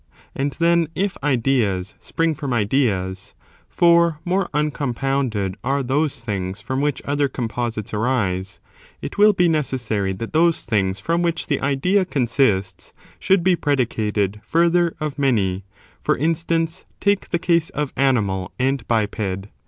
And then, if ideas spring from ideas, (for more uncompounded are those things from which other composites arise,) it will be necessary that those things from which the idea consists should be predicated, further, of many; for instance, take the case of animal and biped.